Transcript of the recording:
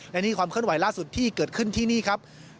และนี่ความเคลื่อนไหวล่าสุดที่เกิดขึ้นที่นี่ครับ